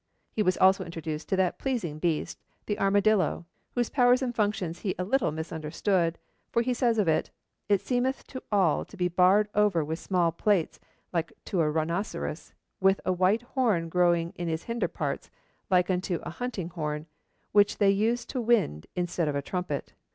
He was also introduced to that pleasing beast the armadillo, whose powers and functions he a little misunderstood, for he says of it, 'it seemeth to be all barred over with small plates like to a rhinoceros, with a white horn growing in his hinder parts, like unto a hunting horn, which they use to wind instead of a trumpet.'